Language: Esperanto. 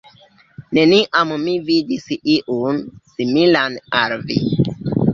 Neniam mi vidis iun, similan al vi.